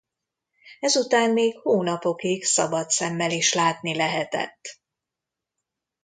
Ezután még hónapokig szabad szemmel is látni lehetett.